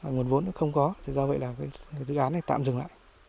nguồn vốn nó không có thì do vậy là cái dự án này tạm dừng lại